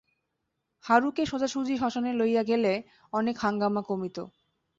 হারুকে সোজাসুজি শ্মশানে লইয়া গেলে অনেক হাঙ্গামা কমিত।